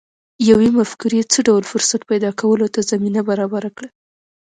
يوې مفکورې څه ډول فرصت پيدا کولو ته زمينه برابره کړه؟